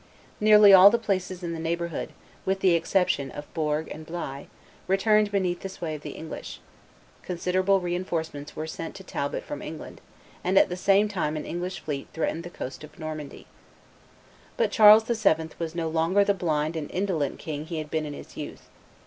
Nearly all the places in the neighborhood, with the exception of Bourg and Blaye, returned beneath the sway of the English; considerable reenforcements were sent to Talbot from England; and at the same time an English fleet threatened the coast of Normandy. But Charles VII. was no longer the blind and indolent king he had been in his youth.